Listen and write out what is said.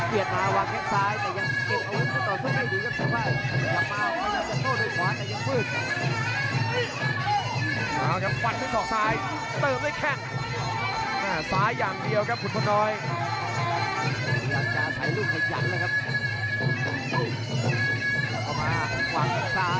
เสียงให้ขอบความหมดยกที่หนึ่ง